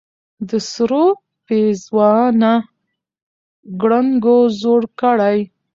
د سرو پېزوانه ګړنګو زوړ کړې